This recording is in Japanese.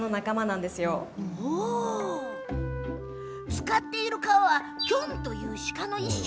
使っている革はキョンという鹿の一種。